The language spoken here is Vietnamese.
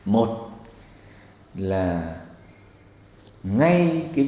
một là ngay kiểm tra